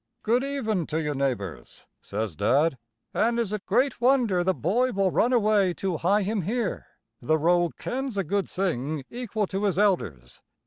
"Good even to you, neighbors," says Dad. "An' is it great wonder the boy will run away to hie him here? The rogue kens a good thing equal to his elders.